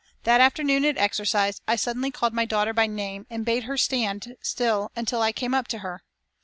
That afternoon at exercise I suddenly called my daughter by name and bade her stand still until I came up to her.